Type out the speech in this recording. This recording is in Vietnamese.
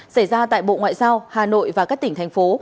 xảy ra tại bộ ngoại giao hà nội và các tỉnh thành phố